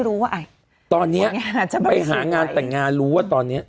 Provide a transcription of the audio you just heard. ตัวเนี่ยไปหางานแต่งงานรู้ว่าตอนเนี้ย